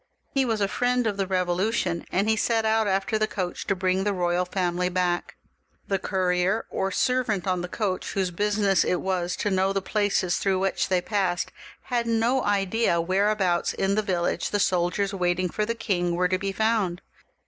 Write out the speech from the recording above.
He was a friend of the Bevolution, and he set out after the coach to bring the royal family back. The courier, or servant on the coach, whose business it was to know the places through which they passed, had no idea whereabouts in 396 . THE REVOLUTION, [CH. the viUage the soldiers waiting for the king were to be found.